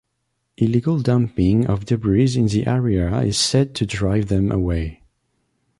Illegal dumping of debris in the area is said to drive them away.